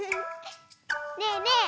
ねえねえ